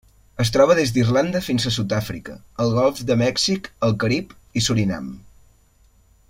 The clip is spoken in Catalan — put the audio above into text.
Es troba des d'Irlanda fins a Sud-àfrica, al Golf de Mèxic, el Carib i Surinam.